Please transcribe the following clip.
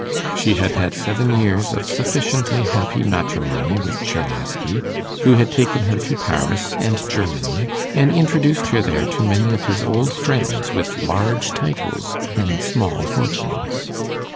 She had had seven years of sufficiently happy matrimony with Czerlaski, who had taken her to Paris and Germany, and introduced her there to many of his old friends with large titles and small fortunes.